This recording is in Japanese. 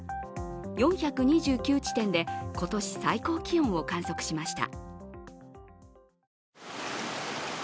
４２９地点で今年最高気温を観測しました。